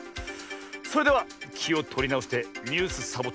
それではきをとりなおして「ニュースサボ１０」